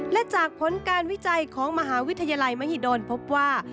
และจากผลการวิจัยของมหาวิทยาลัยมหิดลพบว่า